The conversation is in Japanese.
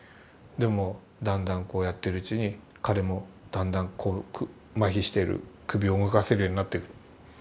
でもだんだんこうやってるうちに彼もだんだんこう麻痺している首を動かせるようになって。